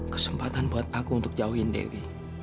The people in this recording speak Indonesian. kesempatan buat aku untuk jauhin dewi